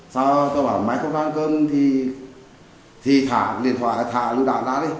sau tôi bảo máy không ra ăn cơm thì thì thả điện thoại thả lưu đạn ra đi